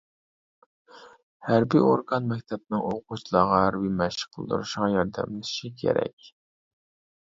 ھەربىي ئورگان مەكتەپنىڭ ئوقۇغۇچىلارغا ھەربىي مەشىق قىلدۇرۇشىغا ياردەملىشىشى كېرەك.